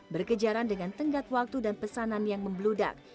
berkejaran dengan tenggat waktu dan pesanan yang membeludak